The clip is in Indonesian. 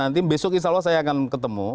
nanti besok insya allah saya akan ketemu